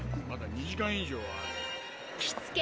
まだ２時間以上ある。